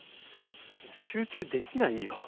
そりゃ集中できないよ。